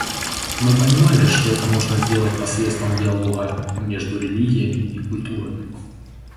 Мы понимали, что это можно сделать посредством диалога между религиями и культурами.